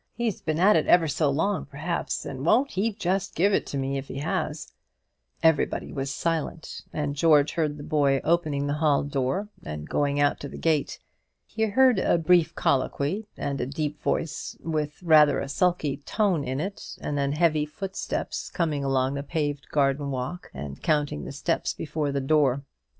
"He's been at it ever so long, perhaps; and won't he just give it me if he has!" Everybody was silent; and George heard the boy opening the hall door and going out to the gate. He heard a brief colloquy, and a deep voice with rather a sulky tone in it, and then heavy footsteps coming along the paved garden walk and counting the steps before the door.